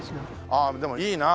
ああでもいいな！